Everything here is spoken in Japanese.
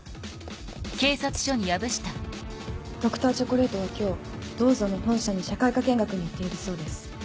Ｄｒ．チョコレートは今日「ＤＯＵＺＯ」の本社に社会科見学に行っているそうです。